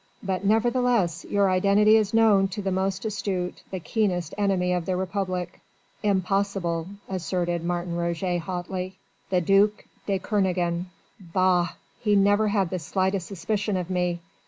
"But nevertheless, your identity is known to the most astute, the keenest enemy of the Republic." "Impossible," asserted Martin Roget hotly. "The duc de Kernogan...." "Bah! He had never the slightest suspicion of me.